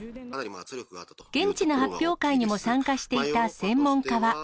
現地の発表会にも参加していた専門家は。